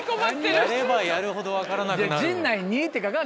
やればやるほど分からなくなる。